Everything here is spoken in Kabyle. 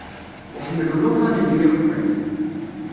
Iḥemmel ulufan-nni akeffay.